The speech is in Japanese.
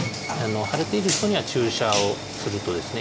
腫れている人には注射をするとですね